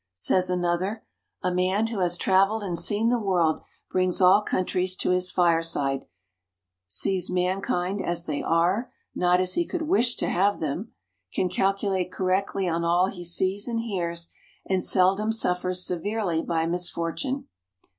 Says another: "A man who has traveled and seen the world brings all countries to his fireside, .sees mankind as they are, not as he could wish to have them, can calculate correctly on all he sees and hears, and seldom suffers severely by misfortune."